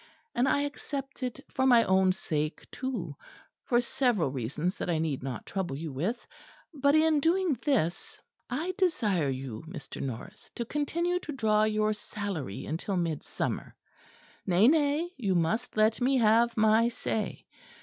And I accept it for my own sake too; for several reasons that I need not trouble you with. But in doing this, I desire you, Mr. Norris, to continue to draw your salary until Midsummer: nay, nay, you must let me have my say.